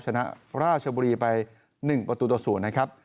ชนะราชบุรีไป๑ประตูต่อ๐นะครับ